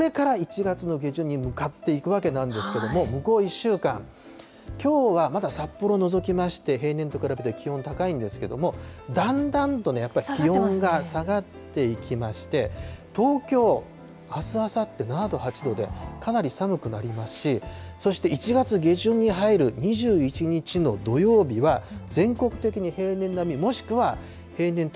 これから１月の下旬に向かっていくわけなんですけれども、向こう１週間、きょうはまだ札幌除きまして、平年と比べて気温高いんですけれども、だんだんとね、気温が下がっていきまして、東京、あすあさって７度、８度で、かなり寒くなりますし、そして１月下旬に入ると、２１日の土曜日は、全国的に平年並み、もしくは平年と